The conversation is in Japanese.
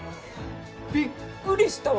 びっくりしたわ！